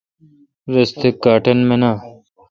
رس تہ کاٹن منان۔